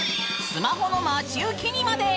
スマホの待ち受けにまで！